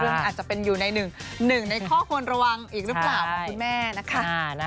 เรื่องนี้อาจจะเป็นอยู่ในหนึ่งในข้อคนระวังอีกรึเปล่าคุณแม่นะคะ